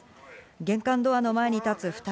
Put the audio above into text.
玄関ドアの前に立つ２人。